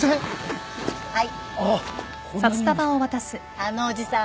あのおじさん